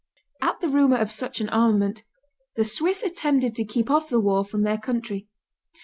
At the rumor of such an armament the Swiss attempted to keep off the war from their country.